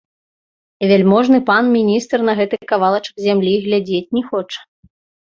Вяльможны пан міністр на гэты кавалачак зямлі і глядзець не хоча.